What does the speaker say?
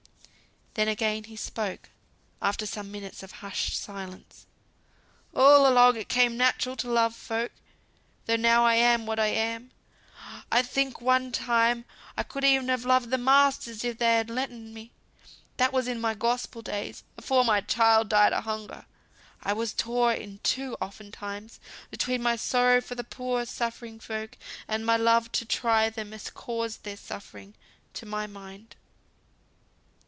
Then again he spoke, after some minutes of hushed silence. "All along it came natural to love folk, though now I am what I am. I think one time I could e'en have loved the masters if they'd ha' letten me; that was in my Gospel days, afore my child died o' hunger. I was tore in two often times, between my sorrow for poor suffering folk, and my trying to love them as caused their sufferings (to my mind).